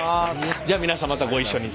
じゃあ皆さんまたご一緒に。